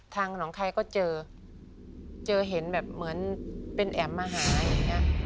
น้องคายก็เจอเจอเห็นแบบเหมือนเป็นแอ๋มมาหาอย่างนี้